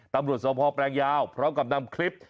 ตำรวจสพแปลงยาวพร้อมกับนำคลิป